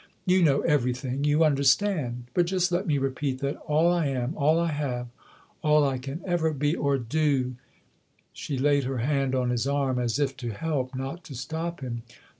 You know everything you understand ; but just let me repeat that all I am, all I have, all I can ever be or do " She laid her hand on his arm as if to help, not to stop him.